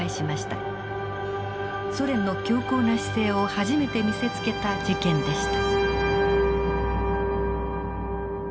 ソ連の強硬な姿勢を初めて見せつけた事件でした。